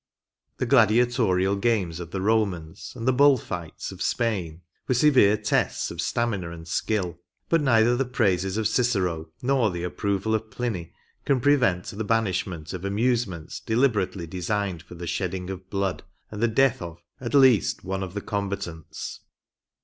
The gladiatorial games of the Romans, and the bull fights of Spain, were severe tests of stamina and skill ; but neither the praises of Cicero nor the approval of Pliny can prevent the banish ment of amusements deliberately designed for the shedding of blood, and the death of, at least, one of the combatants.